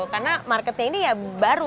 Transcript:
karena marketnya ini ya baru